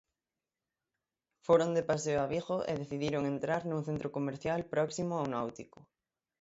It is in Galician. Foron de paseo a Vigo e decidiron entrar nun centro comercial próximo ao Náutico.